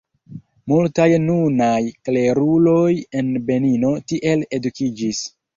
Multaj nunaj kleruloj en Benino tiel edukiĝis.